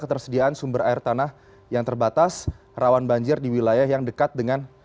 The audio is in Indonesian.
ketersediaan sumber air tanah yang terbatas rawan banjir di wilayah yang dekat dengan